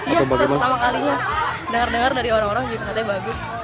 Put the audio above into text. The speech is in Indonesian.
iya saya pertama kalinya dengar dengar dari orang orang juga katanya bagus